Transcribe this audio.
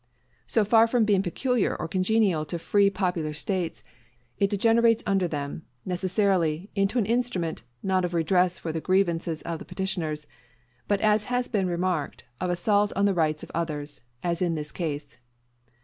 So far from being peculiar or congenial to free popular States, it degenerates under them, necessarily, into an instrument, not of redress for the grievances of the petitioners, but as has been remarked, of assault on the rights of others, as in this case.